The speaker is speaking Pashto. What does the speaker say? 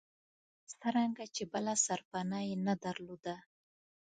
څرنګه چې بله سرپناه یې نه درلوده.